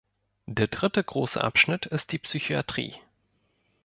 Der dritte große Abschnitt ist die Psychiatrie.